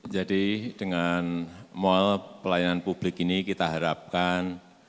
jadi dengan mall pelayanan publik ini kita harapkan